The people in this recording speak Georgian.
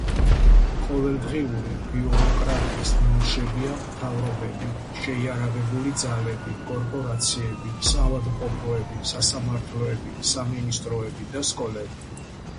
ყოველდღიური ბიუროკრატიის ნიმუშებია მთავრობები, შეიარაღებული ძალები, კორპორაციები, საავადმყოფოები, სასამართლოები, სამინისტროები და სკოლები.